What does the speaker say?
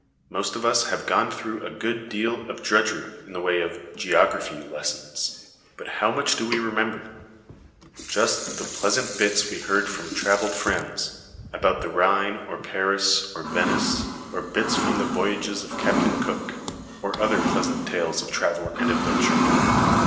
Most of us have gone through a good deal of drudgery in the way of ' geography ' lessons, but how much do we remember ? Just the pleasant bits we heard from travelled friends, about the Rhine, or Paris, or Venice, or bits from The Voyages of Captain Cook, or other pleasant tales of travel and adventure.